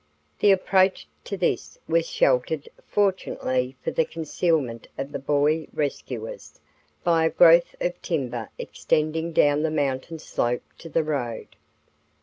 The approach to this was sheltered, fortunately for the concealment of the boy rescuers, by a growth of timber extending down the mountain slope to the road.